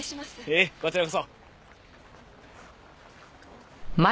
ええこちらこそ。